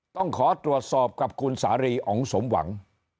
ต้องขอตรวจสอบกับคุณสารีอ๋องสมหวัง